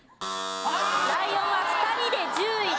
ライオンは２人で１０位タイです。